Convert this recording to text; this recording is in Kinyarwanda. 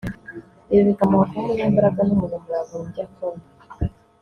ibi bikamuha kuba umunyembaraga n’umunyamurava mu byo akora